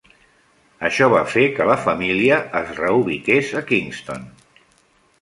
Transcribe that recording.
Això va fer que la família es reubiqués a Kingston.